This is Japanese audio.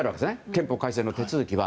憲法改正の手続きは。